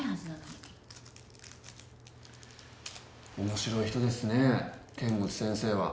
面白い人ですね剣持先生は。